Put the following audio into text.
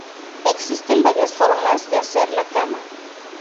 Existen varias formas de hacer la cama.